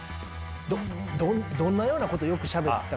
どんなようなことよくしゃべったか。